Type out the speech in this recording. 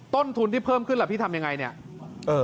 ต้นทุนที่เพิ่มขึ้นล่ะพี่ทำยังไงเนี่ย